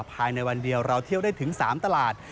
ภายในวันเดียวเราเที่ยวได้ถึง๓ตลาด